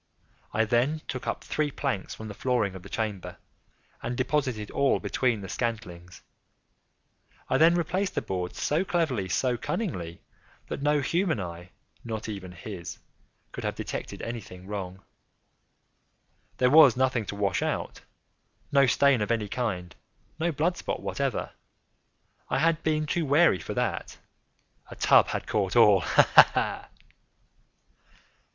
I then took up three planks from the flooring of the chamber, and deposited all between the scantlings. I then replaced the boards so cleverly, so cunningly, that no human eye—not even his—could have detected any thing wrong. There was nothing to wash out—no stain of any kind—no blood spot whatever. I had been too wary for that. A tub had caught all—ha! ha!